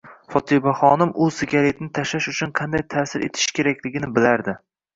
Fotimaxonim u sigaretni tashlash uchun qanday ta'sir etish kerakligini bilardi.